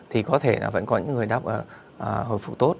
thì có thể vẫn có những người đáp hồi phục tốt